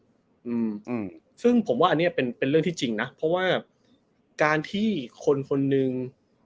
อืมซึ่งผมว่าอันเนี้ยเป็นเป็นเรื่องที่จริงนะเพราะว่าการที่คนคนหนึ่ง